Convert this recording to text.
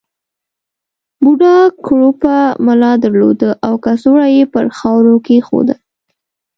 بوډا کړوپه ملا درلوده او کڅوړه یې پر خاورو کېښوده.